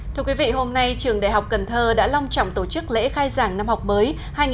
thưa quý vị hôm nay trường đại học cần thơ đã long trọng tổ chức lễ khai giảng năm học mới hai nghìn một mươi chín hai nghìn hai mươi